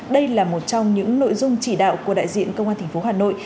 đây là một trong những nội dung chỉ đạo của đại diện công an thành phố hà nội